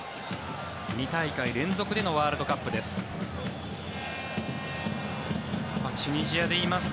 ２大会連続でのワールドカップです。